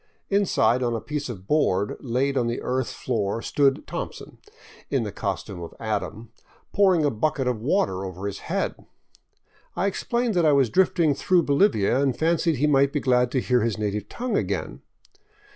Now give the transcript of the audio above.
Inside, on a piece of board laid on the earth floor, stood " Thompson," in the costume of Adam, pouring a bucket of water over his head. I explained that I was drifting through Bolivia and fancied he might be glad to hear his native tongue again.